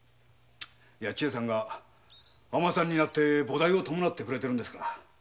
千恵さんが尼さんになって菩提を弔ってくれるんだから。